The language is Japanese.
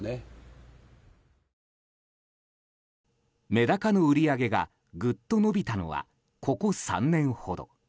メダカの売り上げがぐっと伸びたのはここ３年ほど。